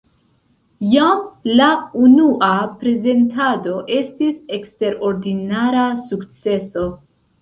Jam la unua prezentado estis eksterordinara sukceso.